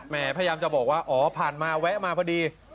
พยายามจะบอกว่าอ๋อผ่านมาแวะมาพอดี